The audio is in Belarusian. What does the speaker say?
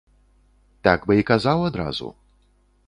Так бы і казаў адразу.